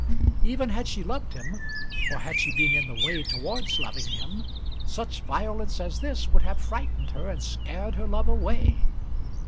Even had she loved him, or had she been in the way towards loving him, such violence as this would have frightened her and scared her love away.